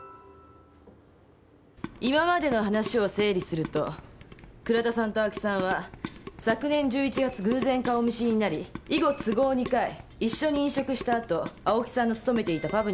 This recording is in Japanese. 今までの話を整理すると倉田さんと青木さんは昨年１１月偶然顔見知りになり以後都合２回一緒に飲食したあと青木さんの勤めていたパブに来店。